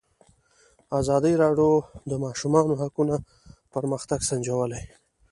ازادي راډیو د د ماشومانو حقونه پرمختګ سنجولی.